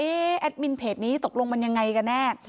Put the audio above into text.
แอดมินเพจนี้ตกลงมันยังไงกันแน่